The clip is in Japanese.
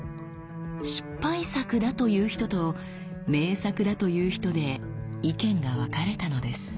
失敗作だという人と名作だという人で意見が分かれたのです。